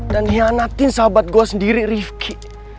dan hianatin sahabat gue sendiri rifki